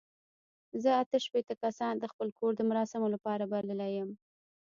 زه اته شپېته کسان د خپل کور د مراسمو لپاره بللي یم.